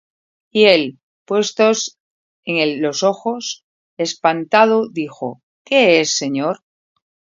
Y él, puestos en él los ojos, espantado, dijo: ¿Qué es, Señor?